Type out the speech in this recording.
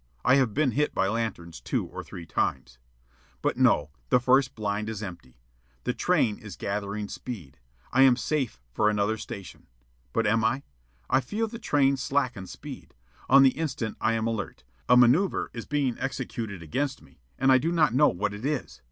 I have been hit by lanterns two or three times. But no, the first blind is empty. The train is gathering speed. I am safe for another station. But am I? I feel the train slacken speed. On the instant I am alert. A manoeuvre is being executed against me, and I do not know what it is.